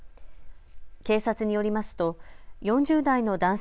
警察によりますと４０代の男性